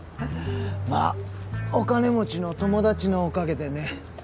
まあお金持ちの友達のおかげでね